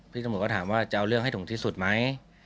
ตำรวจก็ถามว่าจะเอาเรื่องให้ถึงที่สุดไหม